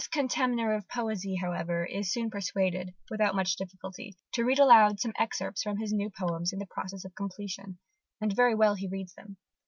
_) This contemner of poesy, however, is soon persuaded, without much difficulty, to read aloud some excerpts from his new poems in process of completion: and very well he reads them.